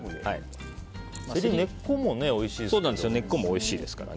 セリは根っこもおいしいですけどね。